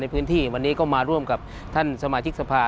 พื้นที่วันนี้ก็มาร่วมกับท่านสมาชิกสภา